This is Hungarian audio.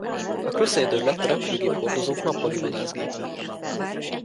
A Crusader lett a repülőgép-hordozók nappali vadászgépe.